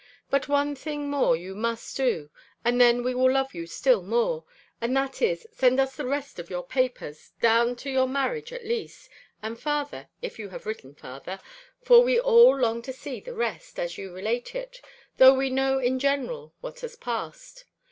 But one thing more you must do, and then we will love you still more; and that is, send us the rest of your papers, down to your marriage at least; and farther, it you have written farther; for we all long to see the rest, as you relate it, though we know in general what has passed.